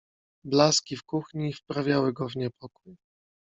Blaski w kuchni wprawiały go w niepokój.